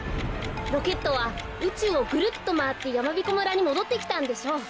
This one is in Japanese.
ロケットはうちゅうをぐるっとまわってやまびこ村にもどってきたんでしょう。